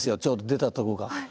ちょうど出たとこが。